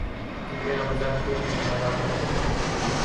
تم میرا مزاق کیوں بنا رہے ہو؟